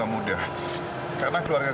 kehwanku tapi dengan ayah